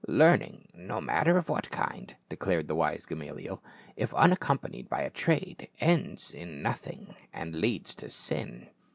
" Learn ing, no matter of what kind," declared the wise Gama liel, " if unaccompanied by a trade, ends in nothing, and leads to sin."